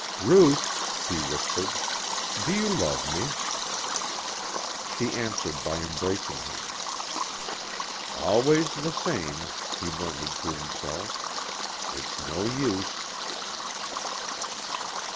"Ruth," he whispered, "do you love me?" She answered by embracing him. "Always the same," he murmured to himself, "it's no use."